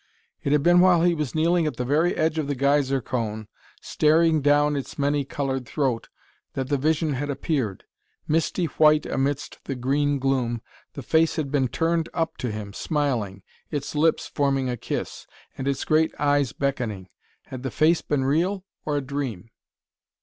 It had been while he was kneeling at the very edge of the geyser cone, staring down its many colored throat, that the vision had appeared. Misty white amidst the green gloom, the face had been turned up to him, smiling, its lips forming a kiss, and its great eyes beckoning. Had the face been real or a dream?